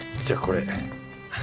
じゃあこれ。